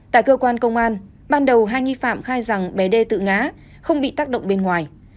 tại cơ quan công an ban đầu hai nghi phạm khai rằng bé đê tự ngã không bị tác động bên ngoài